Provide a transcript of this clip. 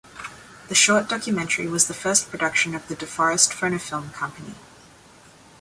The short documentary was the first production of the De Forest Phonofilm company.